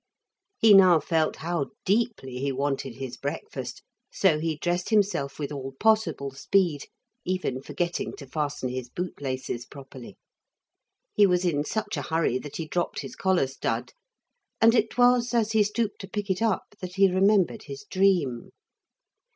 He now felt how deeply he wanted his breakfast, so he dressed himself with all possible speed, even forgetting to fasten his bootlaces properly. He was in such a hurry that he dropped his collar stud, and it was as he stooped to pick it up that he remembered his dream.